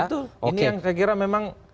betul ini yang saya kira memang